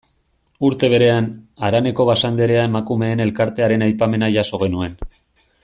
Urte berean, haraneko Basanderea emakumeen elkartearen aipamena jaso genuen.